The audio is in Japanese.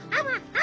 あ？